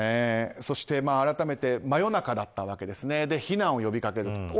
そして改めて真夜中だったわけで避難を呼びかけると。